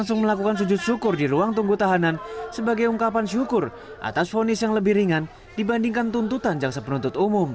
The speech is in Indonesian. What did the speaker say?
langsung melakukan sujud syukur di ruang tunggu tahanan sebagai ungkapan syukur atas fonis yang lebih ringan dibandingkan tuntutan jaksa penuntut umum